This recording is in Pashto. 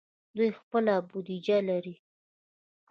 دوی خپله بودیجه لري.